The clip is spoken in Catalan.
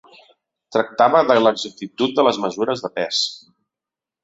Tractava de l'exactitud de les mesures de pes.